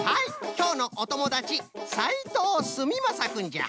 きょうのおともだちさいとうすみまさくんじゃ。